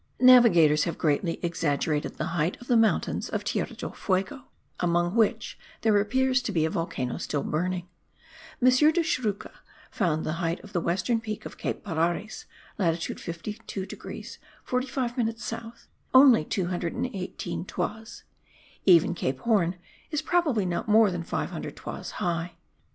Navigators have greatly exaggerated the height of the mountains of Tierra del Fuego, among which there appears to be a volcano still burning. M. de Churruca found the height of the western peak of Cape Pilares (latitude 52 degrees 45 minutes south) only 218 toises; even Cape Horn is probably not more than 500 toises* high.